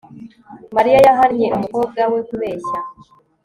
mariya yahannye umukobwa we kubeshya